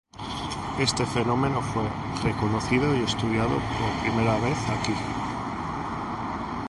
Este fenómeno fue reconocido y estudiado por primera vez aquí.